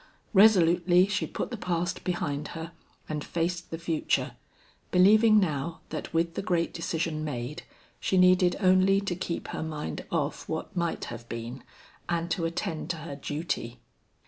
Resolutely she put the past behind her and faced the future, believing now that with the great decision made she needed only to keep her mind off what might have been, and to attend to her duty.